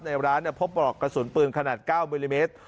ในร้านพบปลอกกระสุนปืนขนาด๙มิลลิเมตร